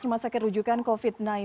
rumah sakit rujukan covid sembilan belas